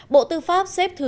bộ tư pháp xếp thứ một mươi một